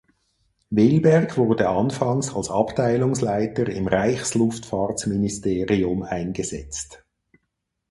Wilberg wurde anfangs als Abteilungsleiter im Reichsluftfahrtministerium eingesetzt.